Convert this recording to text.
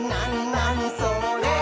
なにそれ？」